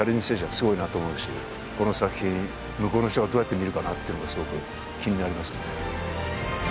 精神はすごいなと思うしこの作品向こうの人がどうやって見るかなっていうのもすごく気になりますかね